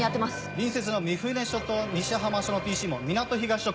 隣接の三船署と西浜署のＰＣも港東署